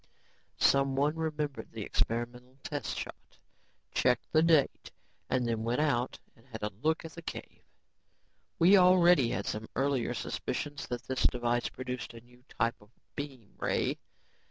Someone remembered the experimental test shot, checked the date and then went out and had a look at the cave. We already had some earlier suspicions that this device produced a new type of beam ray.